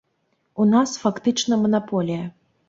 У нас, фактычна, манаполія.